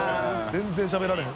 全然しゃべられへん。